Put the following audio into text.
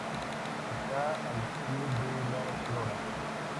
Está al pie de La Lora.